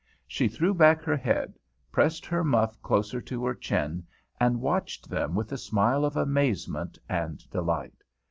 She threw back her head, pressed her muff closer to her chin, and watched them with a smile of amazement and delight.